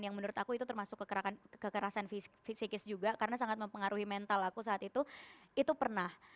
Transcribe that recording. yang menurut aku itu termasuk kekerasan fisikis juga karena sangat mempengaruhi mental aku saat itu itu pernah